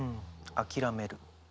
諦める。